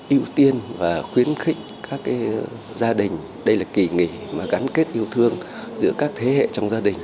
ưu tiên và khuyến khích các gia đình đây là kỳ nghỉ mà gắn kết yêu thương giữa các thế hệ trong gia đình